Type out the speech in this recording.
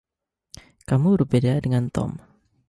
Kamu berbeda dengan Tom.